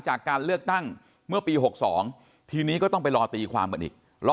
จากการเลือกตั้งเมื่อปี๖๒ทีนี้ก็ต้องไปรอตีความกันอีก